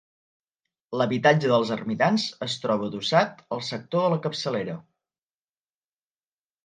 L'habitatge dels ermitans es troba adossat al sector de la capçalera.